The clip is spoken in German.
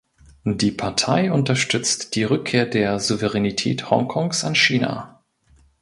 Die Partei unterstützt die Rückkehr der Souveränität Hongkongs an China.